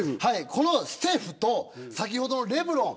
このステフと先ほどのレブロン。